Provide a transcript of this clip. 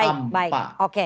baik baik oke